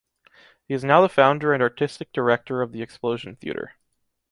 He is now the founder and artistic director of the explosion theatre.